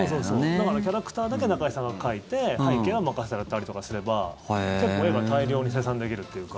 だからキャラクターだけ中居さんが描いて背景は任せたりとかすれば結構、絵が大量に生産できるというか。